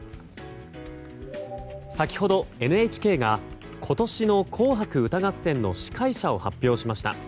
先ほど、ＮＨＫが今年の「紅白歌合戦」の司会者を発表しました。